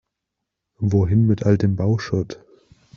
Wohin mit all dem Bauschutt?